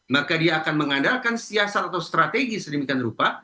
maka dia akan mengandalkan siasat atau strategi sedemikian rupa